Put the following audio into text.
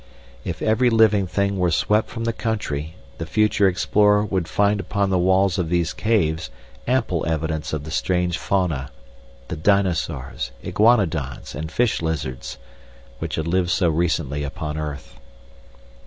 If every living thing were swept from the country the future explorer would find upon the walls of these caves ample evidence of the strange fauna the dinosaurs, iguanodons, and fish lizards which had lived so recently upon earth.